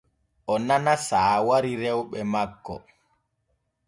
O nana saawari rewɓe makko.